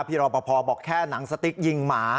รอปภบอกแค่หนังสติ๊กยิงหมา